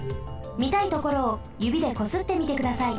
みたいところをゆびでこすってみてください。